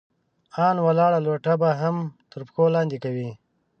ان ولاړه لوټه به هم تر پښو لاندې کوئ!